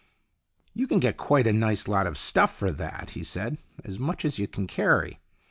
" You can get quite a nice lot of stuff for that," he said. "As much as you can carry.